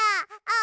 あ。